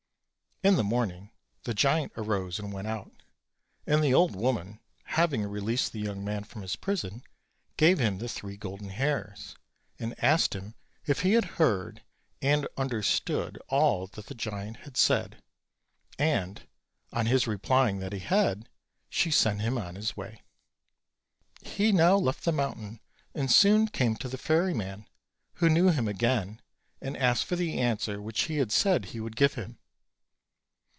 In the morning the giant arose and went out, and the old woman, having released the young man from his prison, gave him the three golden hairs, asked him if he >^ i."^ 'C * A, 7= had heard and understood all that the giant had said, and, on his replying that he had, she sent him on his way. He now left the mountain and soon came to the ferry man, who knew him again, and asked for the answer which he had said he would give him.